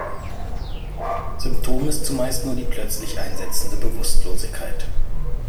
Symptom ist zumeist nur die plötzlich einsetzende Bewusstlosigkeit.